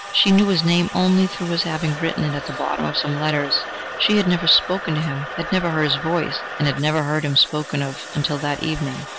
She knew his name only through his having written it at the bottom of some of his letters; she had never spoken to him, had never heard his voice, and had never heard him spoken of until that evening.